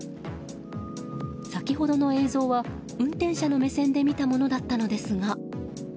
先ほどの映像は運転者の目線で見たものだったのですが。